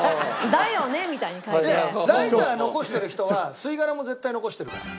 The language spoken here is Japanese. ライター残してる人は吸い殻も絶対残してるから。